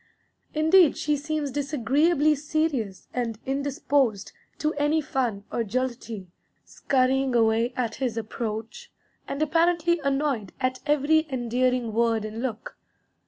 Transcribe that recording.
Indeed, she seems disagreeably serious and indisposed to any fun or jollity, scurrying away at his approach, and apparently annoyed at every endearing word and look.